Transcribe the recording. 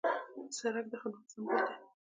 سړک د خدمت سمبول دی.